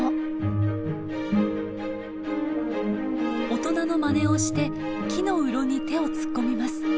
大人のまねをして木のうろに手を突っ込みます。